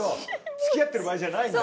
付き合ってる場合じゃないんだ。